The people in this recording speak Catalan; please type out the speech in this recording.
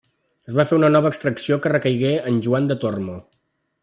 Es va fer una nova extracció que recaigué en Joan de Tormo.